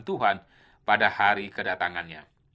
tuhan pada hari kedatangannya